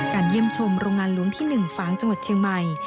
เยี่ยมชมโรงงานหลวงที่๑ฝางจังหวัดเชียงใหม่